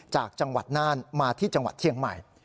จากจังหวัดน่านมาที่จังหวัดเชียงใหม่